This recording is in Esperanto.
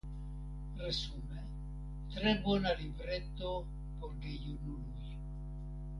Resume tre bona libreto por gejunuloj.